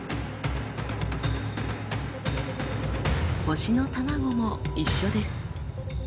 星のタマゴも一緒です。